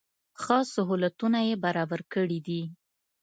ښه سهولتونه یې برابر کړي دي.